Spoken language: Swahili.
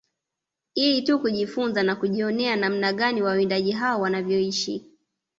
Ili tu kujifunza na kujionea namna gani wawindaji hao wanavyoishi